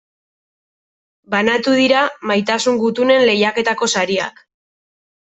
Banatu dira Maitasun Gutunen lehiaketako sariak.